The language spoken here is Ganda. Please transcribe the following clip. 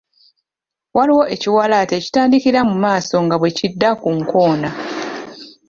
Waliwo ekiwalaata ekitandikira mu maaso nga bwe kidda ku nkoona.